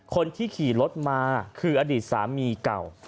คนที่ขี่รถมาคืออดีตสามีเก่า